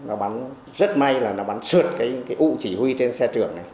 nó bắn rất may là nó bắn sượt cái ụ chỉ huy trên xe trưởng này